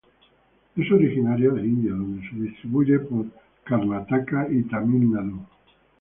Es originaria de India donde se distribuye por Karnataka y Tamil Nadu.